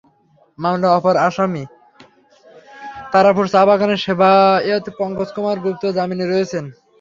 মামলার অপর আসামি তারাপুর চা-বাগানের সেবায়েত পঙ্কজ কুমার গুপ্ত জামিনে রয়েছেন।